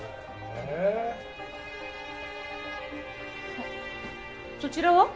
あっそちらは？